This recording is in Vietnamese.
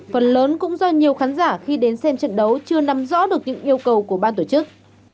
phần lớn cũng do nhiều khán giả khi đến xem trận đấu chưa nắm rõ được những yêu cầu của ban tổ chức